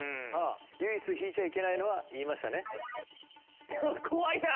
唯一引いちゃいけないのは言いましたね？